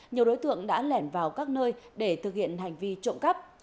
nhiều đối tượng đã lẻn vào các nơi để thực hiện hành vi trộm cắp